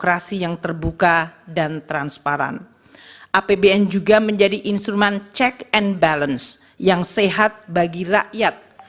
apbn juga menjadi instrumen check and balance yang sehat bagi rakyat